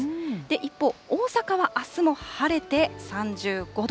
一方、大阪はあすも晴れて３５度。